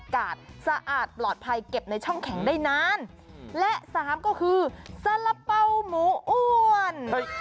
อากาศสะอาดปลอดภัยเก็บในช่องแข็งได้นานและสามก็คือสาระเป๋าหมูอ้วน